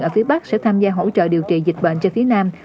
ở phía bắc sẽ tham gia hỗ trợ điều trị dịch bệnh cho phía nam